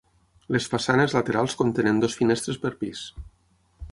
Les façanes laterals contenen dues finestres per pis.